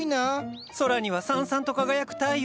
空にはさんさんと輝く太陽！